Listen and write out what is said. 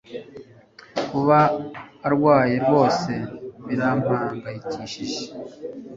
Kuba arwaye rwose birampangayikishije